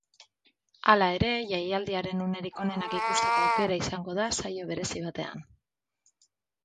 Hala ere, jaialdiaren unerik onenak ikusteko aukera izango da saio berezi batean.